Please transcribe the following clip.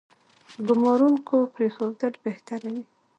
ګومارونکو پرېښودل بهتره وي.